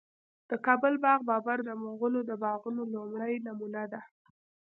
د کابل باغ بابر د مغلو د باغونو لومړنی نمونه ده